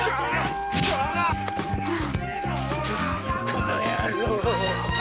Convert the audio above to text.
この野郎！